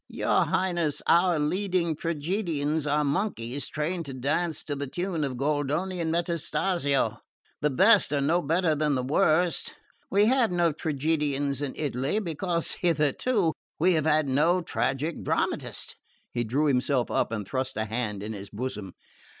"Your Highness, our leading tragedians are monkeys trained to dance to the tune of Goldoni and Metastasio. The best are no better than the worst. We have no tragedians in Italy because hitherto we have had no tragic dramatist." He drew himself up and thrust a hand in his bosom.